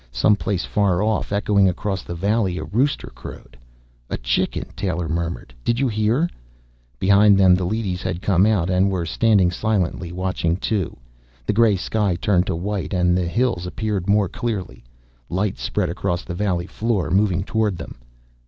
Some place far off, echoing across the valley, a rooster crowed. "A chicken!" Taylor murmured. "Did you hear?" Behind them, the leadys had come out and were standing silently, watching, too. The gray sky turned to white and the hills appeared more clearly. Light spread across the valley floor, moving toward them.